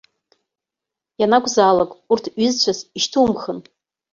Ианакәзаалак урҭ ҩызцәас ишьҭумхын.